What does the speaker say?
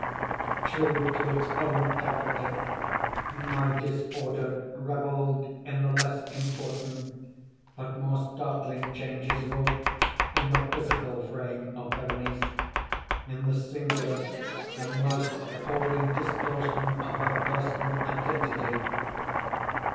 True to its own character, my disorder revelled in the less important but more startling changes wrought in the physical frame of Berenice—in the singular and most appalling distortion of her personal identity.